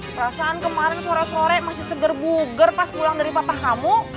perasaan kemarin sore sore masih seger buger pas pulang dari patah kamu